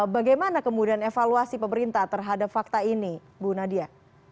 bagaimana kemudian evaluasi pemerintah terhadap fakta ini bu nadia